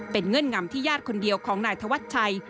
เป็นเงื่อนงำที่ญาติคนเดียวของนายธวัชชัย